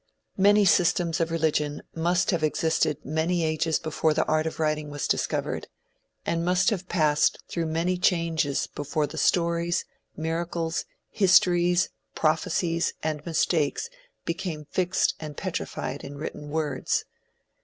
Many systems of religion must have existed many ages before the art of writing was discovered, and must have passed through many changes before the stories, miracles, histories, prophesies and mistakes became fixed and petrified in written words.